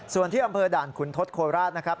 ส่วนที่อำเภอด่านขุนทศโคราชนะครับ